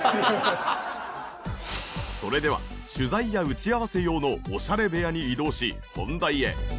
それでは取材や打ち合わせ用のオシャレ部屋に移動し本題へ。